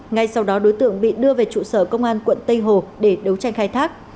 ngay sau đó đối tượng bị đưa về trụ sở công an quận tây hồ để đấu tranh khai thác